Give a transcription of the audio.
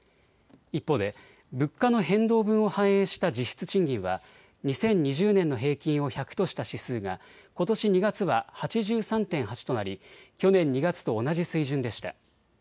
一方で物価の変動分を反映した実質賃金は２０２０年の平均を１００とした指数がことし２月は８３．８となり去年２月と同じ水準でした。